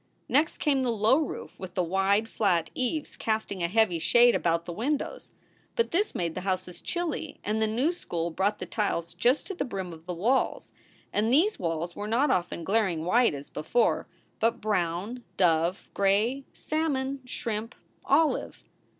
Next came the low roof with the wide, flat eaves, casting a heavy shade about the windows. But this made the houses chilly, and the new school brought the tiles just to the brim of the walls ; and these walls were not often glaring white as before, but brown, dove gray, salmon, shrimp, olive.